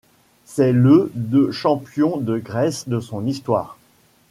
C'est le de champion de grèce de son histoire.